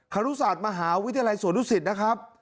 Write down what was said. ครุศาสตร์มหาวิทยาลัยสวนดุสิตนะครับ